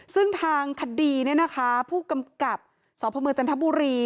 ซึ่งทางคดีเนี่ยนะคะผู้กำกับสพเมืองจันทบุรี